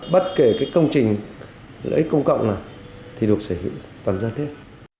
bất kể cái công trình lợi ích công cộng nào thì được sở hữu toàn dân hết